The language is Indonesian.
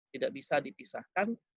tidak bisa dipisahkan